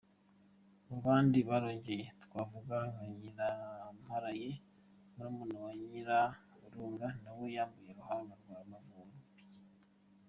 Mu bandi yarongoye twavuga nka Nyiramparaye murumuna wa Nyiraburunga, nawe yambuye Ruhanga rwa Muvubyi.